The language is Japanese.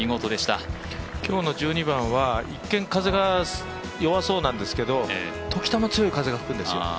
今日の１２番は一見、風が弱そうなんですけどときたま、強い風が吹くんですよ。